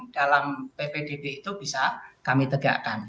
dalam ppdb itu bisa kami tegakkan